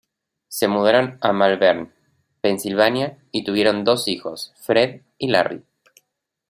Se mudaron a Malvern, Pensilvania y tuvieron dos hijos, Fred y Larry.